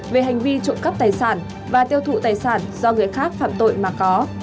về hành vi trộm cắp tài sản và tiêu thụ tài sản do người khác phạm tội mà có